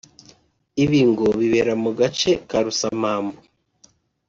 Ibi ngo bibera mu gace ka Rusamambu